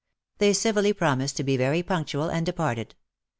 They civilly promised to be very punctual, and departed.